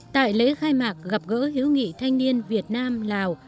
tại lễ khai mạc gặp gỡ hiếu nghị thanh niên việt nam lào